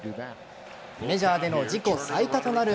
メジャーでの自己最多となる